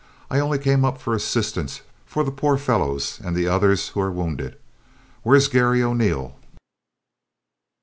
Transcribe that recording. I only came up for assistance for the poor fellows and the others who are wounded. Where's Garry O'Neil?"